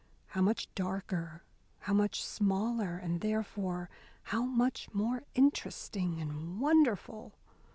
How much darker, how much smaller, and therefore how much more interesting and wonderful.